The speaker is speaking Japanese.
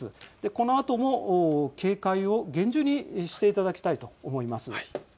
このあとも警戒を厳重にしていただきたいと思います。